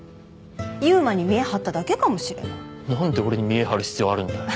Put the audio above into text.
悠馬に見え張っただけかもしれないなんで俺に見え張る必要あるんだよ